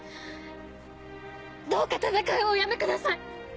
どうか戦いをおやめください！